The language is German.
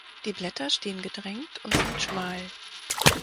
Die Blätter stehen gedrängt und sind schmal.